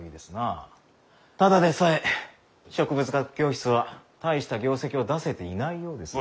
ただでさえ植物学教室は大した業績を出せていないようですが。